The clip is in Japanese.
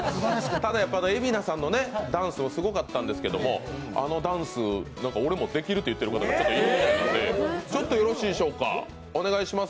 ただ、やっぱり蝦名さんのダンスすごかったんですけど、あのダンス、俺もできるって言ってる方がいるみたいなんでちょっとよろしいでしょうか、お願いします。